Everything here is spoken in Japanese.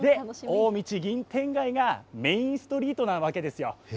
大道銀天街がメインストリートなわけですよ。